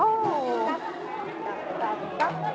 tum tum tum